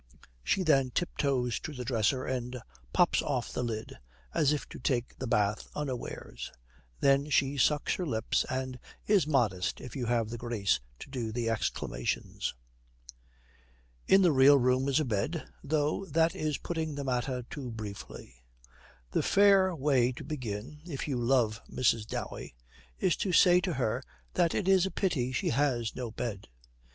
She then tiptoes to the dresser and pops off the lid, as if to take the bath unawares. Then she sucks her lips, and is modest if you have the grace to do the exclamations. In the real room is a bed, though that is putting the matter too briefly. The fair way to begin, if you love Mrs. Dowey, is to say to her that it is a pity she has no bed.